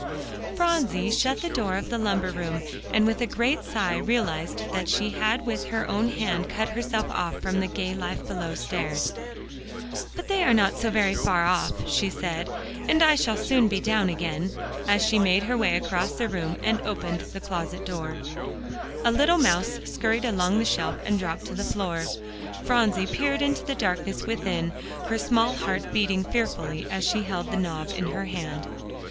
Phronsie shut the door of the lumber room, and with a great sigh realized that she had with her own hand cut herself off from the gay life below stairs. "But they are not so very far off," she said, "and I shall soon be down again," as she made her way across the room and opened the closet door. A little mouse scurried along the shelf and dropped to the floor. Phronsie peered into the darkness within, her small heart beating fearfully as she held the knob in her hand.